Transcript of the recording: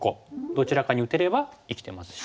どちらかに打てれば生きてますし。